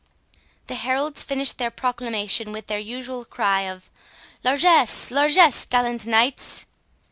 The heralds finished their proclamation with their usual cry of "Largesse, largesse, gallant knights!"